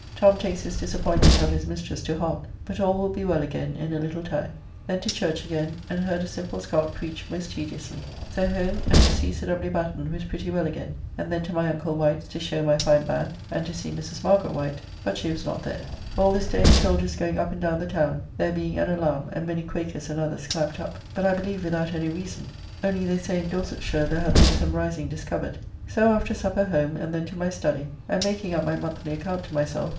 Tom takes his disappointment of his mistress to heart; but all will be well again in a little time. Then to church again, and heard a simple Scot preach most tediously. So home, and to see Sir W. Batten, who is pretty well again, and then to my uncle Wight's to show my fine band and to see Mrs. Margaret Wight, but she was not there. All this day soldiers going up and down the town, there being an alarm and many Quakers and others clapped up; but I believe without any reason: only they say in Dorsetshire there hath been some rising discovered. So after supper home, and then to my study, and making up my monthly account to myself.